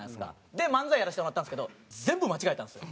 で漫才やらせてもらったんですけど全部間違えたんですよ。